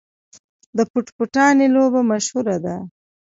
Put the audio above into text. د پټ پټانې لوبه مشهوره ده.